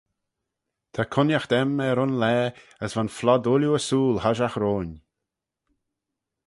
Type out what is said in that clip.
Ta cooinaght aym er un laa as va'n flod ooilley ersooyl hoshiaght roin.